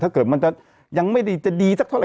ถ้าเกิดมันจะยังไม่ได้จะดีสักเท่าไ